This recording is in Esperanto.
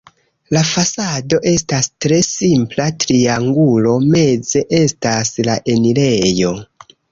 La fasado estas tre simpla triangulo, meze estas la enirejo.